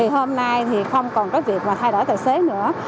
hôm nay không còn việc thay đổi tài xế nữa